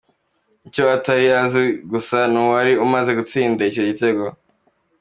Icyo atari azi gusa ni uwari umaze gutsinda icyo gitego.